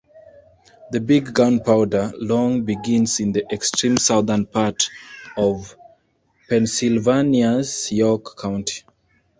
The Big Gunpowder, long, begins in the extreme southern part of Pennsylvania's York County.